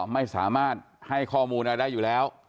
ไม่สามารถให้ข้อมูลอะไรได้อยู่แล้ว